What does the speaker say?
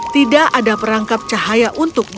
tidak ada perangkap cahaya untuk